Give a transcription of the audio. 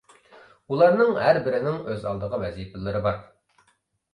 ئۇلارنىڭ ھەربىرىنىڭ ئۆز ئالدىغا ۋەزىپىلىرى بار.